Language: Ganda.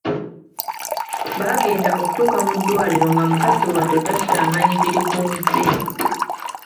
Baagenda okutuuka mu ddwaliro nga mukazi wattu takyamanyi biri ku nsi.